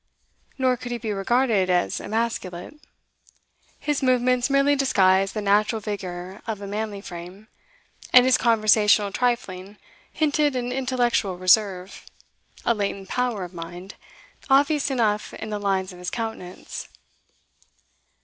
Nor could he be regarded as emasculate; his movements merely disguised the natural vigour of a manly frame, and his conversational trifling hinted an intellectual reserve, a latent power of mind, obvious enough in the lines of his countenance.